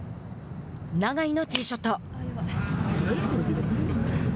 永井のティーショット。